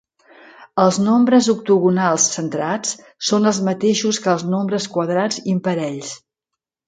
Els nombres octogonals centrats són els mateixos que els nombres quadrats imparells.